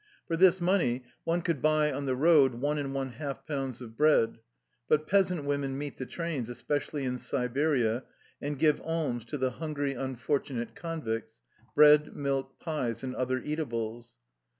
For this money one could buy on the road one and one half pounds of bread. But peasant women meet the trains, especially in Siberia, and give alms to the hungry, unfortunate convicts — bread, milk, pies, and other eatables.